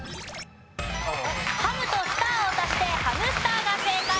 ハムとスターを足してハムスターが正解。